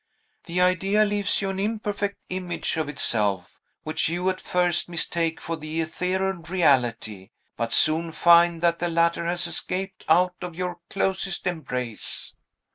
The idea leaves you an imperfect image of itself, which you at first mistake for the ethereal reality, but soon find that the latter has escaped out of your closest embrace."